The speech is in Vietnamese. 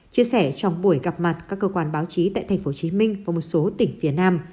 chia sẻ trong buổi gặp mặt các cơ quan báo chí tại tp hcm và một số tỉnh phía nam